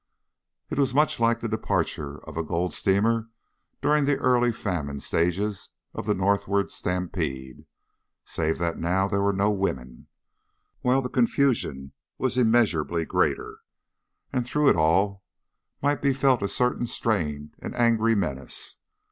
It was much like the departure of a gold steamer during the early famine stages of the northward stampede, save that now there were no women, while the confusion was immeasurably greater, and through it all might be felt a certain strained and angry menace.